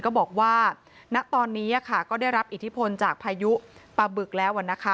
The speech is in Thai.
ก็บอกว่าณตอนนี้ก็ได้รับอิทธิพลจากพายุปลาบึกแล้วนะคะ